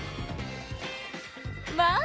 まあ！